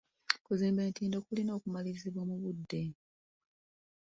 Okuzimba entindo kulina okumalirizibwa mu budde.